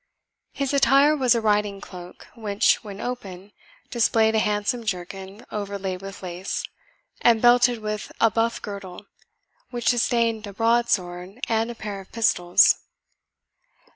His attire was a riding cloak, which, when open, displayed a handsome jerkin overlaid with lace, and belted with a buff girdle, which sustained a broadsword and a pair of pistols.